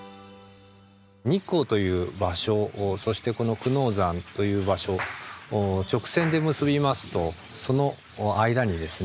日光という場所そしてこの久能山という場所を直線で結びますとその間にですね